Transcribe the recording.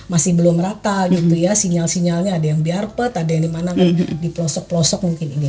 masih belum rata gitu ya sinyal sinyalnya ada yang biarpet ada yang dimana kan di pelosok pelosok mungkin ini